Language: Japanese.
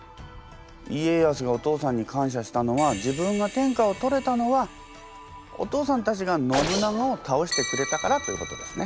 家康がお父さんに感謝したのは自分が天下を取れたのはお父さんたちが信長を倒してくれたからということですね。